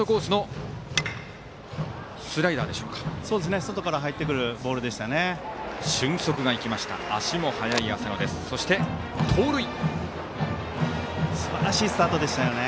外から入ってくるボールでしたね。